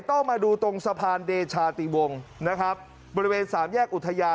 ต้องมาดูตรงสะพานเดชาติวงนะครับบริเวณสามแยกอุทยาน